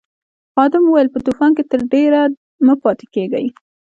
خادم وویل په طوفان کې تر ډېره مه پاتې کیږئ.